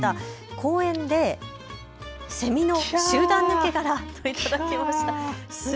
公園でセミの集団抜け殻と頂きました。